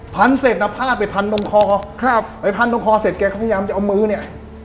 พันเสร็จแล้วพลาดไปพันตรงคอเขาก็พยายามจะเอามือเนี่ย